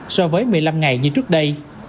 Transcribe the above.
so với một mươi năm ngày như trước đây